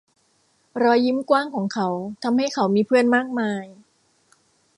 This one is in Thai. รอยยิ้มกว้างของเขาทำให้เขามีเพื่อนมากมาย